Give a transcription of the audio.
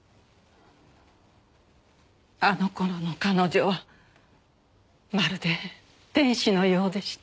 あの頃の彼女はまるで天使のようでした。